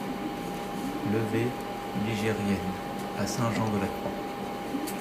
Levée Ligerienne à Saint-Jean-de-la-Croix